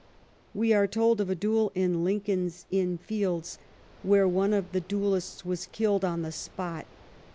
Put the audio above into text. We are told of a duel in Lincoln's Inn Fields, where one of the duellists was killed on the spot.